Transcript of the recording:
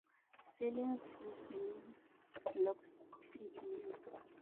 Selinsgrove uses block scheduling.